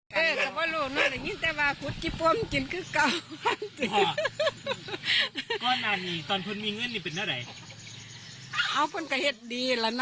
เบอร์ดลำแบบเบอร์ดบูบ้านเลยบ่อ